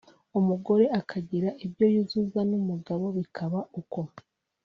umugore akagira ibyo yuzuza n’umugabo bikaba uko